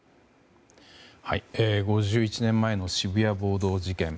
５１年前の渋谷暴動事件。